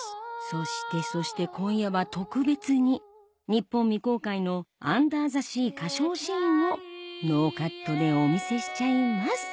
そしてそして今夜は特別に日本未公開の『アンダー・ザ・シー』歌唱シーンをノーカットでお見せしちゃいます